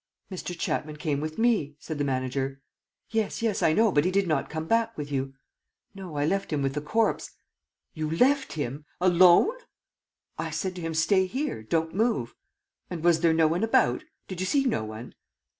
"Mr. Chapman came with me," said the manager. "Yes, yes, I know, but he did not come back with you." "No, I left him with the corpse." "You left him! ... Alone?" "I said to him, 'Stay here ... don't move.'" "And was there no one about? Did you see no one?"